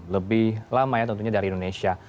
lebih lama ya tentunya dari indonesia